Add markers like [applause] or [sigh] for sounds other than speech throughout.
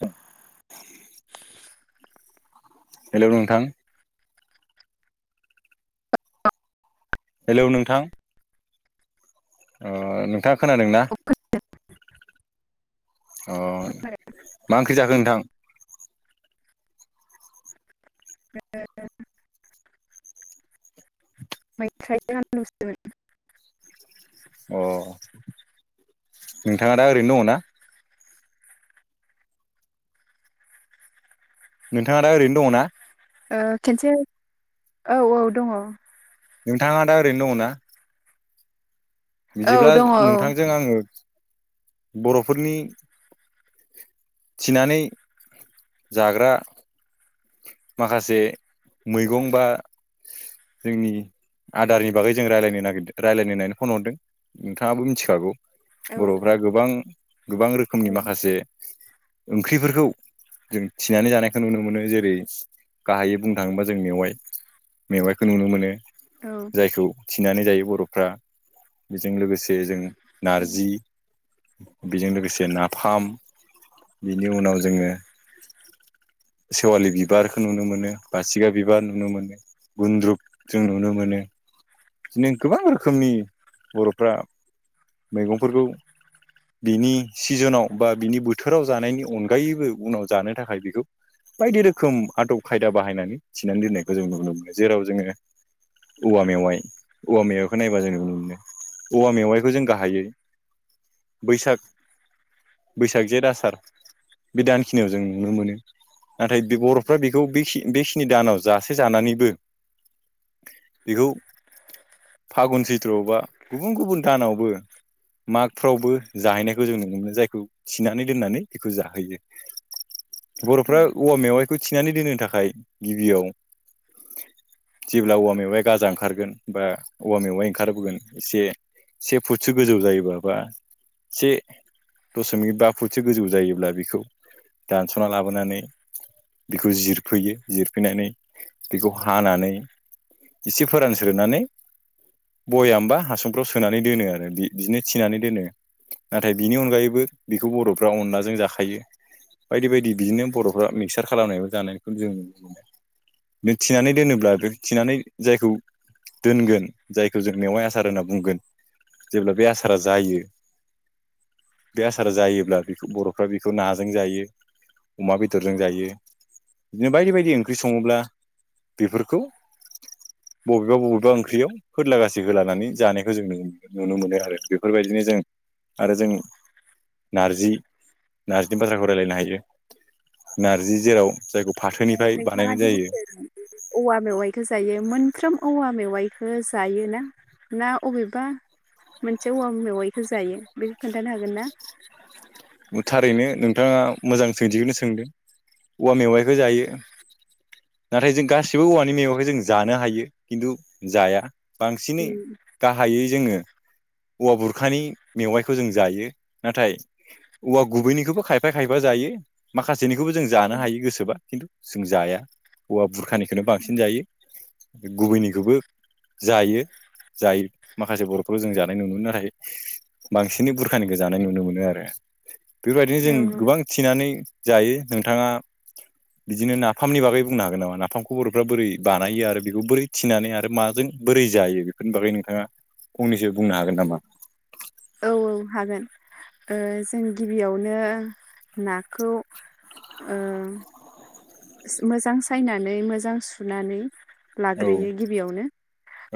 औ हेलौ नोंथां हेलौ नोंथां अ नोंथाङा खोनादोंनाा अ मा ओंख्रि जाखो नोंथां बे मैफ्रायजों आलुसोमोन अ नोंथाङा दा ओरैनो दङ ना नोंथाङा दा ओरैनो दङ ना खनसे औ औ दङ नोंथाङा दा ओरैनो दङ ना बिदिब्ला दङ औ नोंथांजों आङो बर'फोरनि थिनानै जाग्रा माखासे मैगं बा जोंनि आदारनि बागै जों रायलायनो नागिरदों रायलायनो होननानै फन हरदों नोंथाङाबो मिथिखागौ औ बर'फ्रा गोबां गोबां रोखोमनि माखासे ओंख्रिफोरखौ जों थिनानै जानायखौ नुनो मोनो जे रै गाहायै बुंनो थाङोबा जों मेवाइ मेवाइखौ नुनो मोनो औ जायखौ थिनानै जायो बर'फ्रा बेजों लोगोसे जों नारजि बेजों लोगोसे नाफाम बिनि उनाव जोङो खेवालि बिबारखौ नुनो मोनो बासिगा बिबार नुनो मोनो गुन्द्रुक जों नुनो मोनो बिदिनो गोबां रोखोमनि बर'फ्रा मैगंफोरखौ बिनि सिजनाव बा बिनि बोथोराव जानायनि अनगायैबो उनाव जानो थाखाय बेखौ बायदि रोखोम आदब खायदा बाहायनानै थिनानै दोन्नायखौ जों नुनो मोनो जेराव जोङो औवा मेवाइ औवा मेवाइखौ नायबा जों नुनो मोनो औवा मेवाइखौ जों गाहायै बैसाग बैसाग जेत आसार बि दानखिनियाव जों नुनो मोनो नाथाय बे बर'फ्रा बेखौ बे बेखिनि दानाव जासे जानानैबो बेखौ फागुन सैत्रआव बा गुबुन गुबुन दानावबो मागफ्रावबो जाहैनायखौ जों नुनो मोनो जायखौ थिनानै दोननानै बेखौ जाहोयो। औ बर'फ्रा औवा मेवाइखौ थिनानै दोननो थाखाय गिबियाव जेब्ला औवा मेवाया गाजा ओंखारगोन बा औवा मेवाया ओंखारबोगोन एसे से फुटसो गोजौ जायोब बा से दसमिक बा फुटसो गोजौ जायोब्ला बेखौ दानस'ना लाबोनानै बेखौ जिरफैयो जिरफैनानै बेखौ हानानै इसे फोरानस्रोनानै बयाम बा हासुंफ्राव सोनानै दोनो आरो बि बिदिनो थिनानै दोनो। नाथाय बिनि अनगायैबो बेखौ बर'फ्रा अनलाजों जाखायो बायदि बायदि बिदिनो बर' आसार खालामनायबो जानायखौ जों नुनो मोनो बे थिनानै दोनोब्ला बे थिनानै जायखौ दोनगोन जायखौ जों मेवाइ आसार होनना बुंगोन। जेब्ला बे आसारा जायो बे आसार जायोब्ला बर'फ्रा बेखौ नाजों जायो। अमा बेदर बेदरजों जायो बिदिनो बायदि बायदि ओंख्रि सङोब्ला बेफोरखौ बबेबा बबेबा ओंख्रियाव फोरदलागासै होलानानै जानायखौ जों नु नुनो मोनो आरो बेफोरबायदिनो जों आरो जों नारजि नार्जिनि बाथ्राखौ रायज्लायनो हायो। नारजि जेराव जायखौ फाथोनिफ्राय नोंथाङा बानायनाय दि जायो। बुंदों औवा मेवाइखौ जायो मोनफ्रोम औवा मेवाइखौ जायोना। ना अबेबा मोनसे औवा मेवाइखौो जायो बेखौ खोन्थानो हागोन ना? थारैनो नोंथाङा मोजां सोंथिखौनो सोंदों औवा मेवाइखौ जायो। नाथाय जों गासिबो औवानि मेगंखाय जों जानो हायो खिन्थु जाया। औ बांसिनै गाहायै जोङो औवा बुरखानि मेवाइखौ जों जायो नाथाय औवा गुबैनिखौबो खायफा खायफा जायो। माखासेनिखौबो जों जानो हायो गोसोबा खिन्थु जों जाया। हौवा बुरखानिखौनो बांसिन जायो। गुबैनिखौबो जायो जायो माखासे बर'फोनावव जों जादों। होनाय नुनो मोन नाथाय बांसिनै बुरखानिखौ जानाय नुनो मोनो आरो बेफोरबायदिनो औ जों गोबां थिनानै जायो नोंथाङा बिदिनो नाफामनि बागै बुंनो हागोन नामा नाफामखौ बर'फ्रा बोरै बानायो आरो बेखौ बोरै थिनानै आरो माजों बोरै जायो बेफोरनि बागै नोंथाङा फंनैसो बुंनो हागोन नामा? औ औ हागोन जों गिबियावनो नाखौ ओम। मोजां सायनानै मोजां सुनानै औ लाग्रोयो गिबियावनो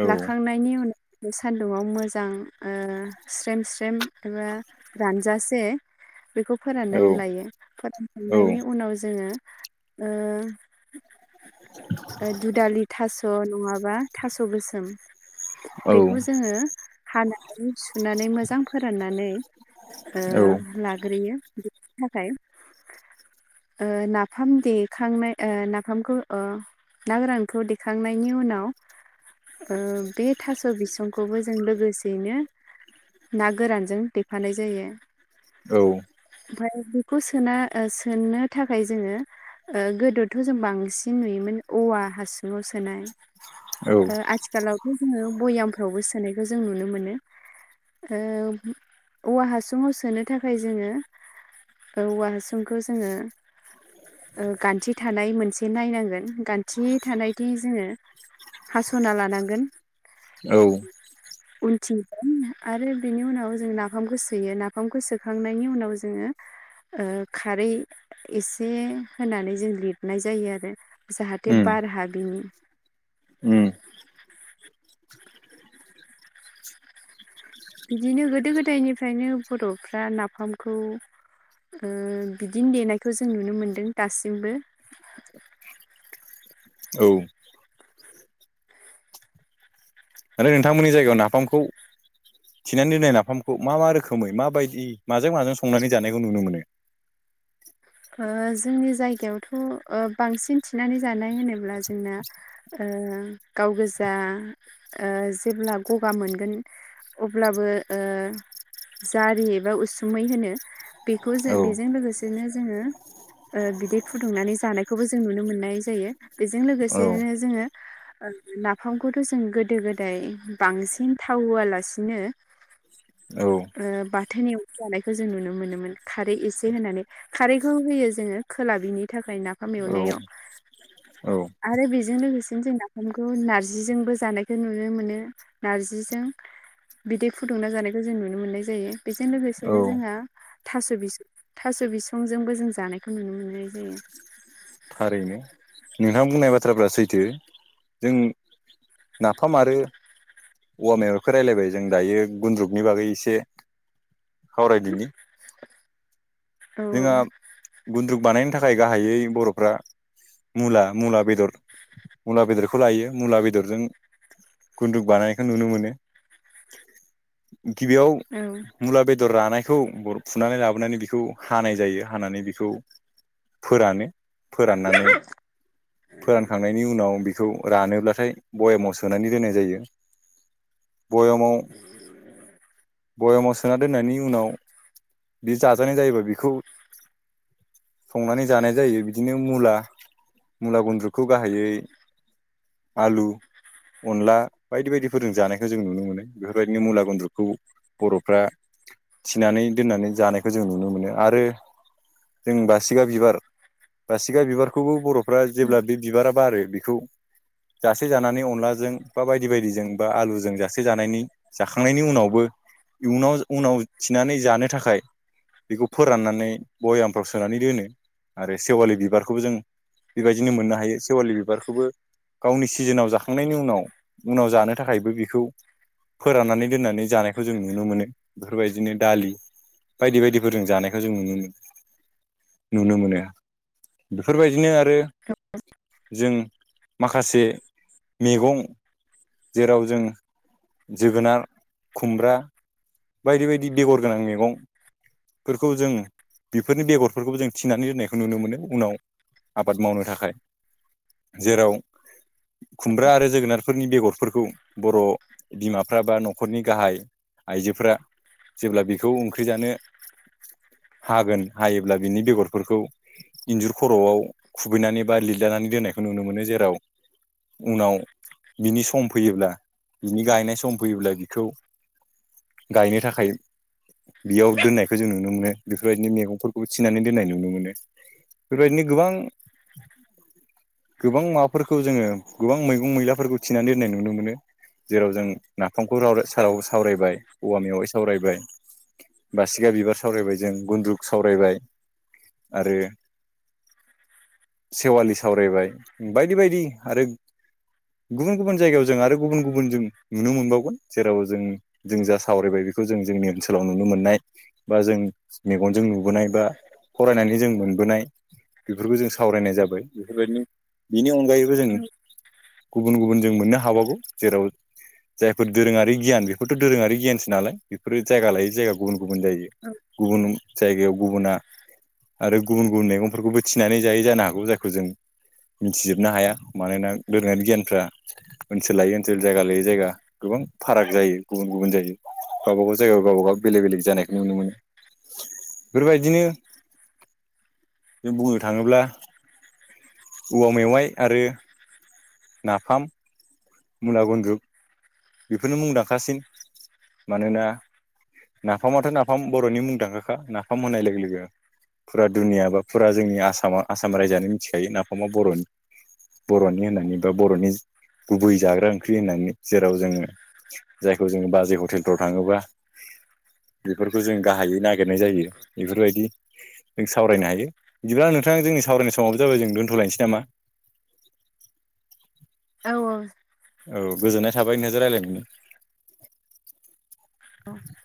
औ लाखांनाय नि उनाव बे सानदुंआव मोजां स्रेम स्रेम एबा रानजासे बेखौ औ फोराननानै लायो औ फोरानखांनायनि उनाव जोङो ओ [inaudible] दुधालि थास' नङाबा थास' गोसोम औ बेखौ जोङो हानानै सुनानै मोजां फोराननानै ओ औ लाग्रोयो। थाखाय नाफाम दे खांनाय नाफामखौ ना गोरानखौ दैेखांनायनि उनाव बे थास' बिसंखौबो जों लोगोसेयैनो ना गोरानजों दफानाय जायो। औ। ओमफ्राय बेखौ सोना सोनो थाखाय जोङो गोदोथ' जों बांसिन नुयोमोन औवा हासुङाव सोनाय औ आथिखालावथ' जोङो भयामफ्रावबो सोनायखौ जों नुनो मोनो औवा हासुङाव सोनो थाखाय जोङो औवा हासुंखौ जोङो गान्थि थानाय मोनसे नायनांगोन गान्थि थानायदि जोङो हास'ना लानांगोन औ उथिगोन आरो बिनि उनाव जों नाफामखौ सोयो नाफामखौ सोखांनायनि उनाव जोङो खारै एसे होनानै जों लिरनाय जायो आरो जाहाथे उम बार ह बििनि उम बिदिनो गोदो गोदायनिफ्रायनो बर'फ्रा नाफामखौ बिदिनो देनायखौ जों नुनो मोनदों दासिमबो औ आरो नोंथांमोननिायगायाव नाफामखौ थिनानै दोननाय नाफामखौ मा मा रोखोमै माबायदि माजों माजों संनानै जानायखौ नुनो मोनो जोंनि जायगायावथ' बांसिन थिनानै जानाय होनोब्ला जोंना गाव गोजा जेब्ला गगा मोनगोन अब्लाबो जारि एबा उसुमै होनो बेखौ जों औ बेजों लोगोसेनो जोङो बिदै फुदुंनानै जानायखौबो जों नुनो मोननाय जायो बेजों औ लोगोसेनो जोङो नाफामखौथ' जों गोदो गोदाय बांसिन थाव होआलासिनो औ बाथोनाव जानायखौ जों नुनो मोनोमोन खारै एसे होननानै खारैखौ होयो जोङो खोला बिनि थाखाय नाफाम औ एवनायाव औ आरो बेजों लोगोसेनो जों नाफामखौ नारजिजोंबो जानायखौ नुनो मोनो नारजिजों बिदै फुदुंना जानायखौ जों नुनो मोननाय जायो बेजों औ लोगोसेनो जोंहा थास' बिस थास' बिस बिफांजोंबो जों जानायखौ नुनो मोननाय जायो थारैनो नोंथां बुंनाय बाथ्राफ्रा सैथो जों नाफाम आरो औव मखौ रायलायबाय जों दायो गुन्द्रुकनि बागै एसे सावरायदिनि [inaudible] औ जोंहा गुन्द्रुक बानायनो थाखाय गाहायै बर'फ्रा मुला मुला बेदर मुला बेदरखौ लायो मुला बेदरजों गुन्दुक बानायखौ नुनो मोनो गिबियाव औ मुला बेदर रानायखौ फुनानै लाबोनानै बेखौ हानाय जायो हानानै बेखौ फोरानो फोराननानै फोरानखांनायनि उनाव बेखौ रानोब्लाथाय बयामाव सोनानै दोननाय ज बयाव बयामाव सोना दोननायनि उनाव बे जाजानाय जायोबा बेखौ संनानै जानाय जायो बिदिनो मुला मुला गन्द्रुखौ गाहायै आलु अनला बायदि बायदिफोरजों जानायखौ जों नुनो मोनो बेफोरबायदिनो मुला गुन्द्रखौ बर'फ्रा थिनानै दोननानै जानायखौ जों नुनो मोनो आरो जों बासिगा बिबार बासिगा बिबारखौबो बर'फ्रा जेब्ला बे बिबारा बारो बेखौ जासे जानानै अनलाजों बा बायदि बायदिजों बा आलुजों जासे जानायनि जाखांनायनि उनावबो इयुनाव उनाव थिनानै जानो थाखाय बेखौ फोराननानै बयामफ्राव सोनानै दोनो आरो सेवालि बिबारखौबो जों बेबायदिनो मोननो हायो सेवालि बिबारखौबो गावनि सिजोनाव जाखांनायनि उनाव उनाव जानो थाखायबो बेखौ फोराननानै दोननानै जानायखौ जों नुनो मोनो बेफोरबायदिनो दालि बायदि बायदिफोर रों जानाय खौ जों नुनो मोनो नुनो मोनो बेफोरबायदिनो आरो आरो जों माखासे मैगं जेराव जों जोगोनार खुमब्रा बायदि बायदि बेगर गोनां मैगं फोरखौ जों बेफोरनि बेगरफोरखौ जों थिनानै दोननायखौ नुनो मोनो उनाव आबाद मावनो थाखाय जेराव खुमब्रा आरो जोगोनारफोरनि बेगरफोरखौ बर' बिमाफ्रा बा न'खरनि गाहाय फोरा जेब्ला बेखौ ओंख्रि जानो हागोन हायोब्ला बिनि बेगरफोरखौ इन्जुर खर'आव खुबैनानै बा लिरलानानै दोननायखौ नुनो मोनो जेराव उनाव बिनि सम फैयोब्ला बिनि गायनाय सम फैयोब्ला बिखौ गायनो थाखाय याव दोननायखौ जों नुनो मोनो बेफोर बायदिनो मैगंफोरखौ थिनानै दोननाय नुनो मोनो। बेबायदिनो गोबां गोबां माबाफोरखौ जोङो गोबां मैगं मैलाफोरखौ थिनानै दोननाय नुनो मोनो जेराव जों नाफामखौ रावराय साराव सावरायबाय औवा मेवाइ सावरायबाय बासिखा बिबार सावरायबाय जों गुन्द्रुक सावरायबाय आरो सेवालि सावरायबाय बायदि बायदि आरो गुबुन गुबुन जायगायाव जों आरो गुबुन गुबुन जों नुनो मोनबावगोन जेराव जों जों जा सावरायबाय बेखौ जों जोंनि ओनसोलाव नुनो मोननाय बा जों मेगनजों नु नुबोनाय बा फरायनानै जों मोनबोनाय बेफोरखौ जों सावरायनाय जाबाय। बेफोरबायदिनो बिनि अनगायैबो जों औ गुबुन गुबुन जों मोननो हाबावागौ जेराव जायफोर दोरोङारि गियान बेफोरथ' दोरोङारि गियान सो नालाय बेफोरो जायगा लायै जायगा गुबुन गुबुन जायो औ गुबुन जायगायाव गुबुना आरो गुबुन गुबुन मैगंफोरखौबो थिनानै जायो जानो हागौ जायखौ जों मिथिजोबनो हाया मानोना दोरोङारि गियानफ्रा ओनसोल लायै ओनसोल जायगा लायै जायगा गोबां फाराग जायो गुबुन गुबुन जायो। गावबा गाव जायगायाव गावबा गाव बेलेग बेलेग जानायखौ नुनो मोनो बेफोर बायदिनो जों बुंनो थाङोब्ला औवा मेवाइ आरो नाफाम मुला गुनद्रुग बेफोरनो मुंदांखासिन मानोना नाफामाथ' नाफाम बर'नि मुंदांखाखा नाफाम होननाय लोगो लोगो फुरा दुनिया बा फुरा जोंनि आसामा आसाम रायजोआनो मिथिखायो नाफामा बर'नि बर'नि होननानै बा बर'नि गुबै जाग्रा ओंख्रि होननानै जे- राव जोङो जायखौ जोङो बाजै हटेलफ्राव थाङोबा बेफोरखौ जों गाहायै नागिरनाय जायो बेफोर बायदि जों सावरायनो हायो बिदिब्ला नोंथा जोंनि सावरायनाय समाबो जाबाय जों दोनथ'लायनोसै नामा। औ औ औ गोजोननाय थाबाय नोंथांजों रायलायनानै औ